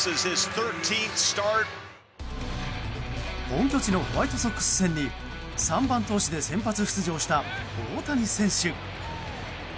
本拠地のホワイトソックス戦に３番投手で先発出場した大谷選手。